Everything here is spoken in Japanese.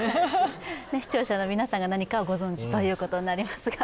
視聴者の皆さんは何かをご存じということになりますが。